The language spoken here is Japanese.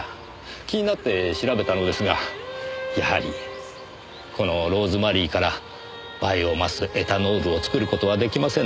気になって調べたのですがやはりこのローズマリーからバイオマスエタノールを作る事は出来ませんでした。